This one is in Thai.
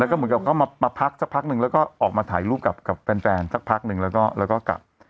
แล้วก็ออกมาพักสักพักหนึ่งแล้วก็ออกมาถ่ายรูปกับแฟนแล้วก็กลับ